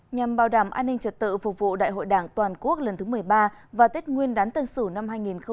nhằm bảo đảm an ninh trật tự phục vụ đại hội đảng toàn quốc lần thứ một mươi ba và tết nguyên đán tân sửu năm hai nghìn hai mươi một